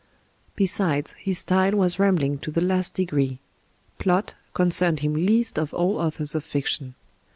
Besides, his style was rambling to the last degree. Blot con cerned him least of all authors of fiction.